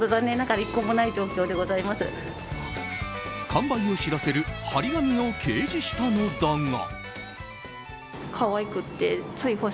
完売を知らせる貼り紙を掲示したのだが。